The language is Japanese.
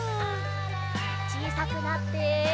ちいさくなって。